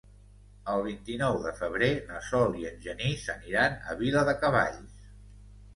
El vint-i-nou de febrer na Sol i en Genís aniran a Viladecavalls.